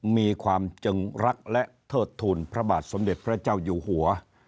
มีความจึงรักและเทิดทูลพระบาทสมเด็จพระเจ้าอยู่หัว